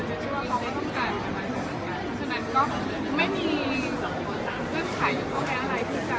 เราก็ต้องการกำลังใจเหมือนกัน